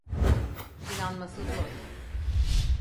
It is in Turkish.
İnanması zor.